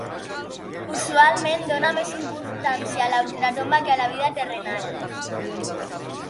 Usualment dóna més importància a la ultratomba que a la vida terrenal.